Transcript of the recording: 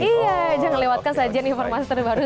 iya jangan lewatkan saja nih informasi terbaru